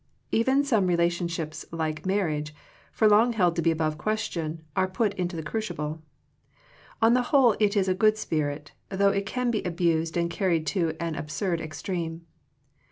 Even some relationships like marriage, for long held to be above question, are put into the crucible. On the whole it is a good spirit, though it can be abused and carried to an absurd extreme.